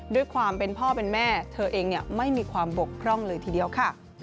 ด้วยความเป็นพ่อเป็นแม่เธอเองไม่มีความบกพร่องเลยทีเดียวค่ะ